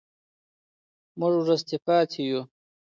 موږ وروسته پاتې يو.